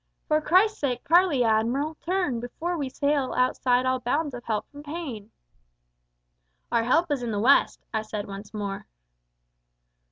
For Christ's sake, parley, Admiral! Turn, before We sail outside all bounds of help from pain!_ Our help is in the West, I said once more.